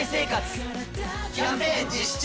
キャンペーン実施中！